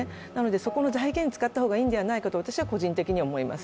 そこの財源に使ったほうがいいのではないかと私は思います。